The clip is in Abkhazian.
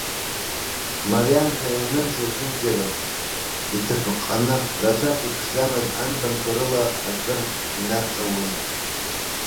Мариам ҳәа ианын зегьынџьара, иҭаԥыҟҟаны, рацәак иԥшӡамыз анбанқәа рыла, акыр инарҵаулан.